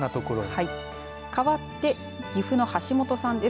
かわって岐阜の橋本さんです。